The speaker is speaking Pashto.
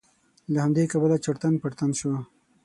له همدې کبله چړتن پړتن شو.